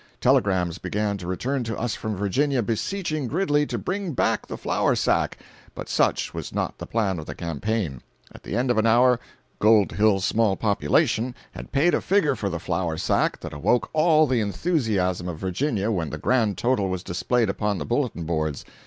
Telegrams began to return to us from Virginia beseeching Gridley to bring back the flour sack; but such was not the plan of the campaign. At the end of an hour Gold Hill's small population had paid a figure for the flour sack that awoke all the enthusiasm of Virginia when the grand total was displayed upon the bulletin boards.